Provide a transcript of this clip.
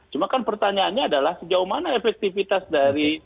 cuma kan pertanyaannya adalah sejauh mana efektivitas dari